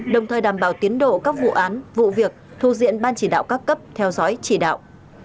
đồng thời đảm bảo tiến độ các vụ án vụ việc thuộc diện ban chỉ đạo các cấp theo dõi chỉ đạo